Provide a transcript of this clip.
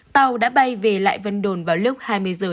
tàu đã bay về lại vân đồn vào lúc hai mươi h năm mươi năm